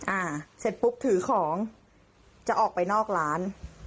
อ่าเสร็จปุ๊บถือของจะออกไปนอกร้าน